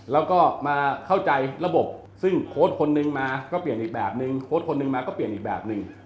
แล้วก็มาเข้าใจระบบซึ่งโค้ดคนนึงมาก็เปลี่ยนอีกแบบนึงโค้ดคนหนึ่งมาก็เปลี่ยนอีกแบบนึง